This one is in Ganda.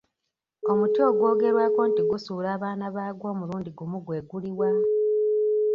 Omuti ogwogerwako nti gusuula abaana baagwo omulundi gumu gwe guli wa?